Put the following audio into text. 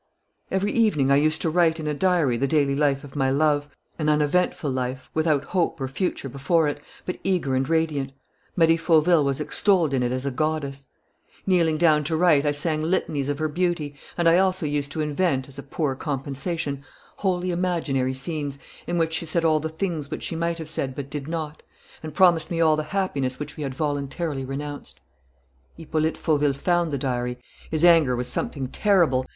"Every evening I used to write in a diary the daily life of my love, an uneventful life, without hope or future before it, but eager and radiant. Marie Fauville was extolled in it as a goddess. Kneeling down to write, I sang litanies of her beauty, and I also used to invent, as a poor compensation, wholly imaginary scenes, in which she said all the things which she might have said but did not, and promised me all the happiness which we had voluntarily renounced. "Hippolyte Fauville found the diary.... His anger was something terrible.